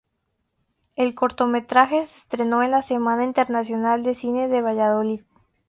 El cortometraje se estrenó en la Semana Internacional de Cine de Valladolid.